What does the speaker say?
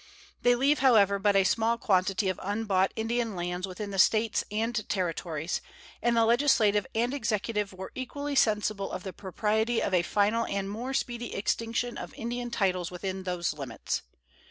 They leave, however, but a small quantity of unbought Indian lands within the States and Territories, and the Legislature and Executive were equally sensible of the propriety of a final and more speedy extinction of Indian titles within those limits.